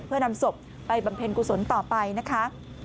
เพื่อนำศพไปบำเพ็ญกุศลต่อไปนะคะ